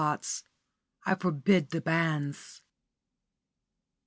* _*I FORBID THE BANNS.